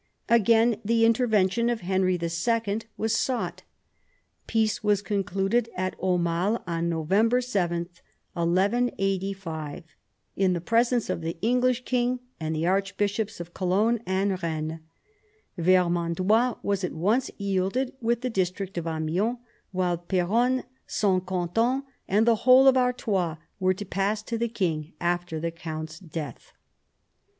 Again the intervention of Henry II. was sought. Peace was concluded at Aumale on November 7, 1185, in the presence of the English king and the archbishops of Cologne and Eennes. Vermandois was at once yielded, with the district of Amiens, while Peronne, S. Quentin, and the whole of Artois were to pass to the king after the count's death.